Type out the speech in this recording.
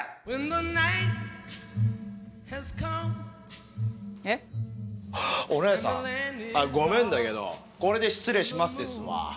おねえさんごめんだけどこれで失礼しますですわ。